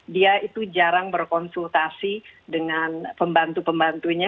dia itu jarang berkonsultasi dengan pembantu pembantunya